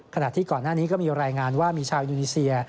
ขณะที่ก่อนหน้านี้ก็มีรายงานว่ามีชาวอินโดนีเซีย